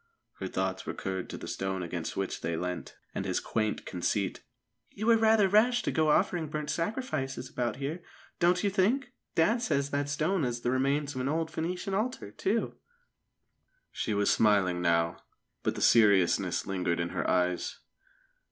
Her thoughts recurred to the stone against which they leant, and his quaint conceit. "You were rather rash to go offering burnt sacrifices about here, don't you think? Dad says that stone is the remains of an old Phœnician altar, too." She was smiling now, but the seriousness lingered in her eyes.